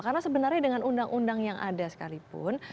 karena sebenarnya dengan undang undang yang ada sekalipun